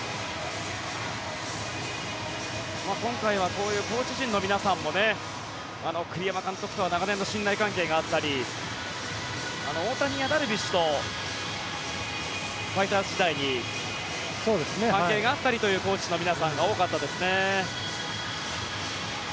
今回はこういうコーチ陣の皆さんも栗山監督とは長年の信頼関係があったり大谷やダルビッシュとファイターズ時代に関係があったりというコーチの皆さんが多かったですね。